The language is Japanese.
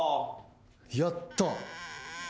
やったぁ。